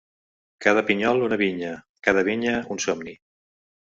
Cada pinyol una vinya, cada vinya un somni.